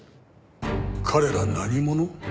彼ら何者？